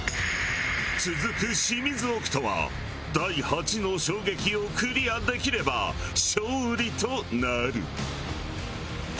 続くシミズオクトは第８の衝撃をクリアできれば勝利となる。